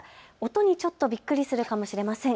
音にちょっとびっくりするかもしれません。